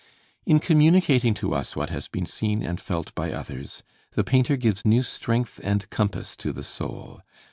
In communicating to us what has been seen and felt by others, the painter gives new strength and compass to the soul.